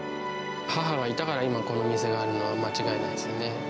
母がいたから、今、この店があるのは間違いないですね。